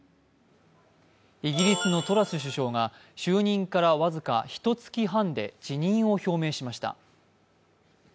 イギリスのトラス首相が就任から僅かひと月半で辞任を表明しました。